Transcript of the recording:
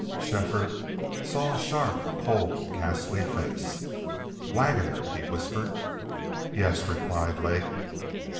Shefford saw a sharp, cold, ghastly face. "WAGGONER!" he whispered. "Yes," replied Lake.